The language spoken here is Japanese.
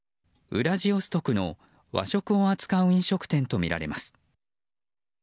ウラジオストクの、和食を扱う飲食店とみられます。